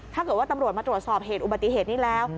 ถ้าเกิดว่าตำรวจมาตรวจสอบเหตุอุบัติเหตุนี้แล้ว